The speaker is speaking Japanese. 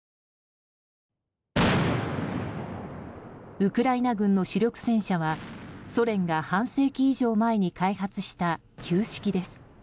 ウクライナ軍の主力戦車はソ連が半世紀以上前に開発した旧式です。